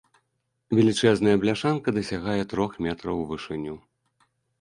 Велічэзная бляшанка дасягае трох метраў у вышыню.